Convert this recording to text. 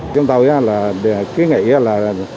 chúng tôi ký nghĩ là